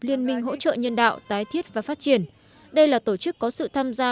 liên minh hỗ trợ nhân đạo tái thiết và phát triển đây là tổ chức có sự tham gia